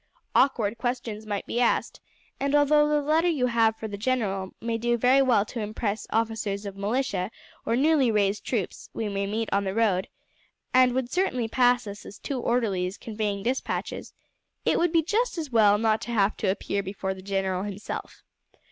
Awkward questions might be asked, and although the letter you have for the general may do very well to impress any officers of militia or newly raised troops we may meet on the road, and would certainly pass us as two orderlies conveying despatches, it would be just as well not to have to appear before the general himself.